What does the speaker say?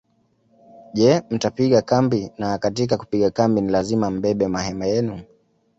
Je mtapiga kambi na katika kupiga kambi ni lazima mbebe mahema yenu